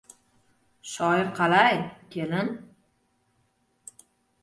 — Shoir qalay, kelin?